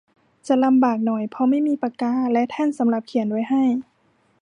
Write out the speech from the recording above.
จะลำบากหน่อยเพราะไม่มีปากกาและแท่นสำหรับเขียนไว้ให้